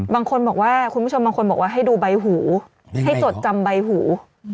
บางคนบอกว่าคุณผู้ชมบางคนบอกว่าให้ดูใบหูให้จดจำใบหู